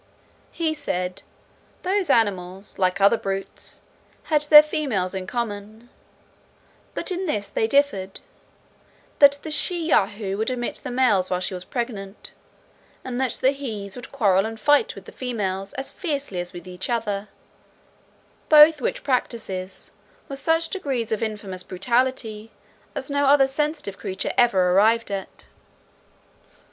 He said, "those animals, like other brutes, had their females in common; but in this they differed, that the she Yahoo would admit the males while she was pregnant; and that the hes would quarrel and fight with the females, as fiercely as with each other; both which practices were such degrees of infamous brutality, as no other sensitive creature ever arrived at.